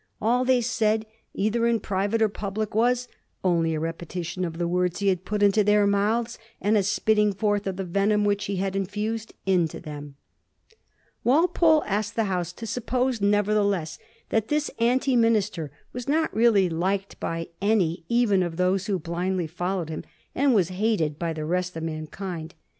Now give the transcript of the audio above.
All they said, either in private or public, was '^ only a repeti* tion of the words he had put into their mouths, and a spit ting forth of the venom which he had infused into them.'* Walpole asked the House to suppose, nevertheless, that this anti minister was not really liked by any even of those who blindly followed him, and was hated by the rest of mankind.